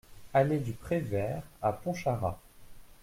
Allée du Pré Vert à Pontcharra